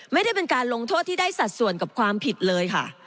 ไม่ได้เป็นการลงโทษที่ได้สัดส่วนกับความผิดเลยค่ะ